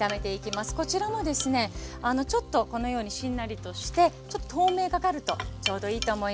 こちらはですねちょっとこのようにしんなりとしてちょっと透明がかるとちょうどいいと思います。